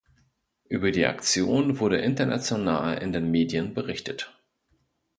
Über die Aktion wurde international in den Medien berichtet.